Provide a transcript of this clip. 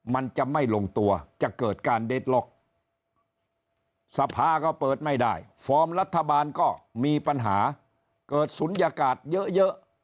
มันจะไม่ลงตัวจะเกิดการเดทล็อกสภาก็เปิดไม่ได้ฟอร์มรัฐบาลก็มีปัญหาเกิดศูนยากาศเยอะ